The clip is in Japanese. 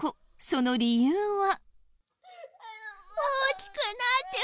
その理由は？